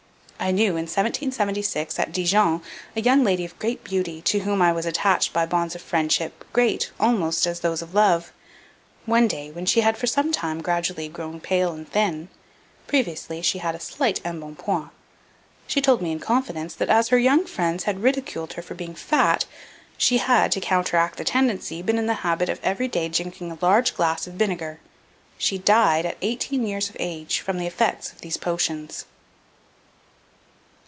I knew, in 1776, at Dijon, a young lady of great beauty, to whom I was attached by bonds of friendship, great, almost as those of love. One day, when she had for some time gradually grown pale and thin (previously she had a slight embonpoint), she told me in confidence, that as her young friends had ridiculed her for being fat, she had, to counteract the tendency, been in the habit every day of drinking a large glass of vinaigre. She died at eighteen years of age, from the effects of these potions."